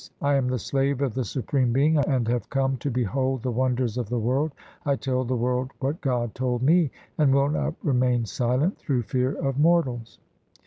I am the slave of the Supreme Being, And have come to behold the wonders of the world. I tell the world what God told me, And will not remain silent through fear of mortals.